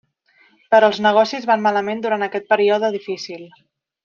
Però els negocis van malament durant aquest període difícil.